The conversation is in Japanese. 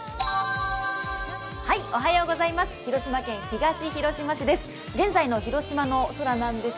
広島県東広島市です。